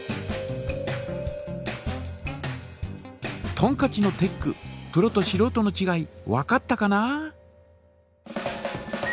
とんかちのテックプロとしろうとのちがいわかったかな？